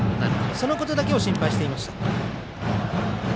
そのことだけを心配していました。